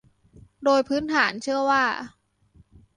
โดยพื้นฐานเชื่อว่า